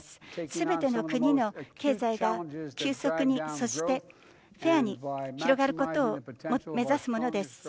全ての国の経済が急速に、そしてフェアに広がることを目指すものです。